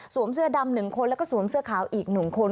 สวมเสื้อดำหนึ่งคนแล้วก็สวมเสื้อขาวอีกหนึ่งคน